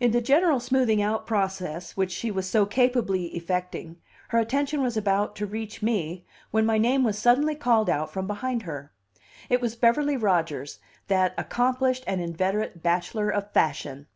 In the general smoothing out process which she was so capably effecting, her attention was about to reach me, when my name was suddenly called out from behind her. It was Beverly Rodgers, that accomplished and inveterate bachelor of fashion.